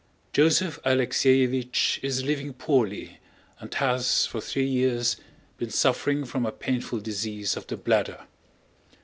Joseph Alexéevich is living poorly and has for three years been suffering from a painful disease of the bladder.